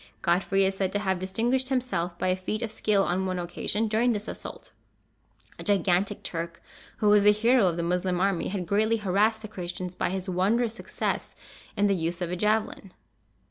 Godfrey is said to have distinguished himself by a feat of skill on one occasion during this assault. A gigantic Turk, who was the hero of the Moslem army, had greatly harassed the Christians by his wondrous success in the use of the javelin.